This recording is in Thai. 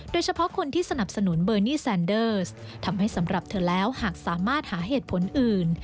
โดยเฉพาะคนที่สนับสนุนเบอร์นี่แซนเดอร์สทำให้สำหรับเธอแล้วหากสามารถหาเหตุผลอื่น